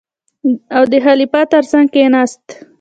او د خلیفه تر څنګ کېناست.